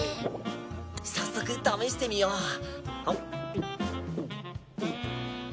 早速試してみよう。